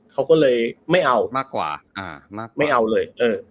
เขาก็เลยไม่เอาไม่เอาเลย